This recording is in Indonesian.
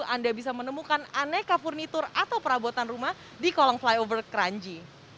anda bisa menemukan aneka furnitur atau perabotan rumah di kolong flyover kranji